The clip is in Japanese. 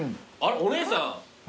お姉さん。